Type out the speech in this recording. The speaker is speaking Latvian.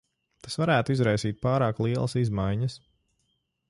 Tas varētu izraisīt pārāk lielas izmaiņas.